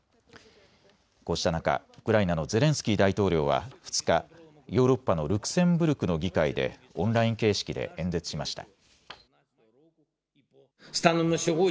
こうした中、ウクライナのゼレンスキー大統領は２日、ヨーロッパのルクセンブルクの議会でオンライン形式で演説しました。